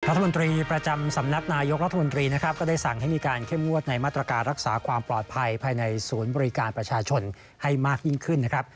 รัฐมนตรีประจำสำนักนายกรัฐมนตรีนะครับก็ได้สั่งให้มีการเข้มงวดในมาตรการรักษาความปลอดภัยภายในศูนย์บริการประชาชนให้มากยิ่งขึ้นนะครับ